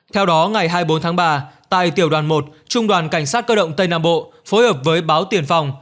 theo đó ngày hai mươi bốn tháng ba tại tiểu đoàn một trung đoàn cảnh sát cơ động tây nam bộ phối hợp với báo tiền phòng